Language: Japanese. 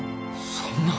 そんな。